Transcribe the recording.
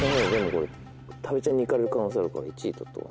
多部ちゃんに行かれる可能性あるから１位取っとかないと。